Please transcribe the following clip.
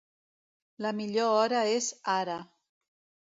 La millor hora és «ara».